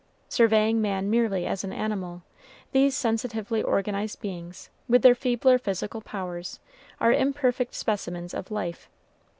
Surveying man merely as an animal, these sensitively organized beings, with their feebler physical powers, are imperfect specimens of life.